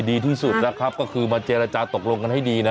ดีที่สุดนะครับก็คือมาเจรจาตกลงกันให้ดีนะ